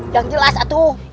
yang jelas atuh